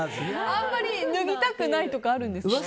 あんまり脱ぎたくないとかあるんですか？